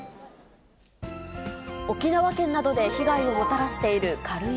沖縄県などで被害をもたらしている軽石。